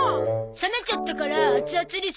冷めちゃったから熱々にするの。